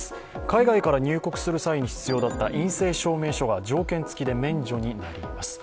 海外から入国する際に必要だった陰性証明書が条件つきで免除になります。